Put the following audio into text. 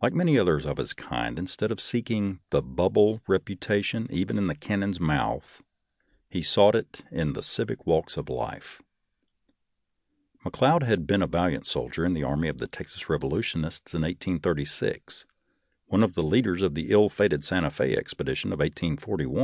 Like many others of his kind, instead of seeking " the bubble reputation, even in the cannon's mouth," he sought it in the civic walks of life. McLeod had been a valiant soldier in the army of the Texan revolutionists of 1836, one of the leaders of the ill fated Santa F6 expedition of 1841, and one of the Perote prisoners.